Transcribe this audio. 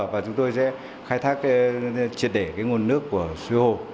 và chúng tôi sẽ khai thác triệt để nguồn nước của suối hồ